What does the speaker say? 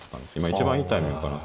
一番いいタイミングかな。